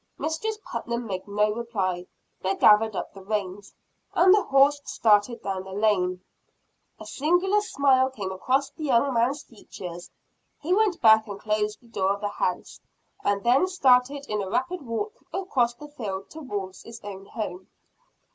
Mistress Putnam made no reply; but gathered up the reins, and the horse started down the lane. A singular smile came across the young man's features. He went back and closed the door of the house, and then started in a rapid walk across the field towards his own home.